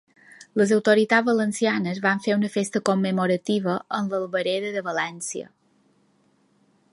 Les autoritats valencianes van fer una festa commemorativa en l'Albereda de València.